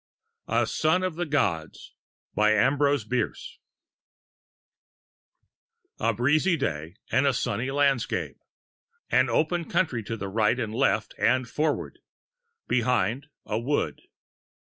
A SON OF THE GODS A breezy day and a sunny landscape. An open country to right and left and forward; behind, a wood.